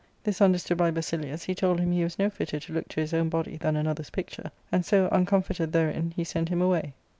This understood by Basilius, he told him he was no fitter to look to his own body than another's picture ; and so, uncomforted therein, he sent him away.